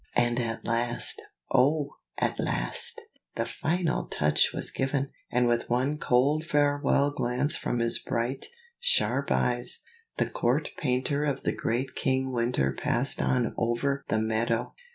And at last, oh! at last, the final touch was given, and with one cold farewell glance from his bright, sharp eyes, the court painter of the great King Winter passed on over the meadow.